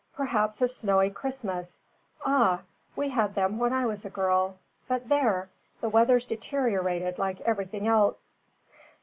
"Perhaps a snowy Christmas. Ah, we had them when I was a girl. But there! the weather's deteriorated like everything else."